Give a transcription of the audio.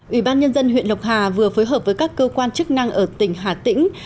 ủy ban nhân dân huyện lộc hà vừa phối hợp với các cơ quan chức năng ở tỉnh hà tĩnh